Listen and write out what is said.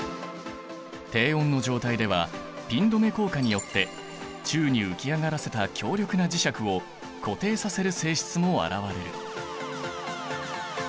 低温の状態ではピン止め効果によって宙に浮き上がらせた強力な磁石を固定させる性質も現れる。